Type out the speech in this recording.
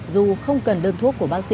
dù không cần đơn thuốc của bác sĩ